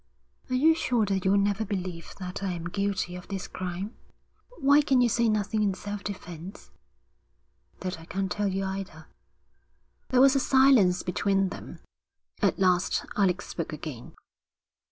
'Are you sure that you will never believe that I am guilty of this crime?' 'Why can you say nothing in self defence?' 'That I can't tell you either.' There was a silence between them. At last Alec spoke again.